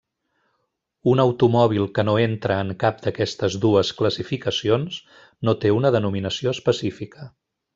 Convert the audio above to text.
Un automòbil que no entra en cap d'aquestes dues classificacions no té una denominació específica.